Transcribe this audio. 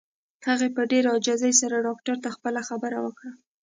هغې په ډېره عاجزۍ سره ډاکټر ته خپله خبره وکړه.